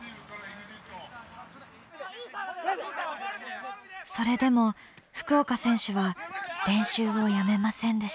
それでも福岡選手は練習をやめませんでした。